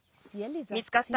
見つかった？